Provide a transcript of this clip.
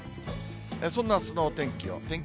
そんなあすのお天気を天気